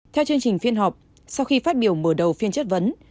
theo chương trình phiên họp sau khi phát biểu mở đầu phiên chất vấn